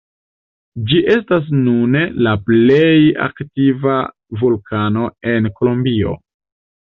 Ĝi estas nune la plej aktiva vulkano en Kolombio.